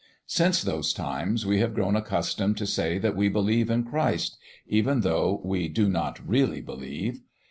Since those times we have grown accustomed to say that we believe in Christ even though we do not really believe.